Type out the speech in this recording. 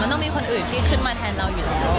ต้องมีคนอื่นที่ขึ้นมาแทนเราอยู่แล้ว